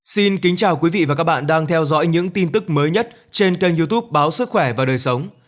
xin kính chào quý vị và các bạn đang theo dõi những tin tức mới nhất trên kênh youtube báo sức khỏe và đời sống